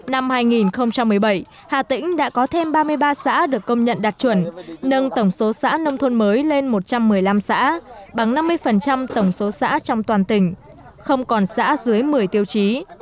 năm hai nghìn một mươi bảy hà tĩnh đã có thêm ba mươi ba xã được công nhận đạt chuẩn nâng tổng số xã nông thôn mới lên một trăm một mươi năm xã bằng năm mươi tổng số xã trong toàn tỉnh không còn xã dưới một mươi tiêu chí